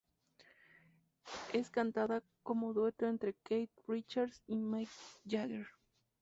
Es cantada como dueto entre Keith Richards y Mick Jagger.